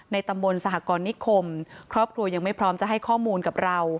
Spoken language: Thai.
ตำบลสหกรณิคมครอบครัวยังไม่พร้อมจะให้ข้อมูลกับเรา